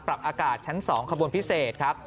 ปรับอากาศชั้น๒ขบวนพิเศษครับ